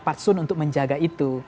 patsun untuk menjaga itu